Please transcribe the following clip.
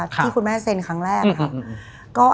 ที่คุณแม่เซ็นครั้งแรกค่ะ